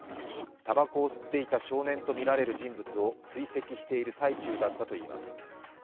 たばこを吸っていた少年とみられる人物を追跡していた最中だったということです。